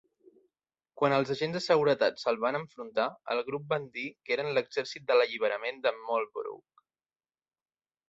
Quan els agents de seguretat se'ls van enfrontar, el grup van dir que eren l'exèrcit de l'alliberament de Marlborough.